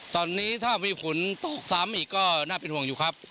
ตอนนี้ถ้ามีฝนตกซ้ำอีกก็น่าเป็นห่วงอยู่ครับ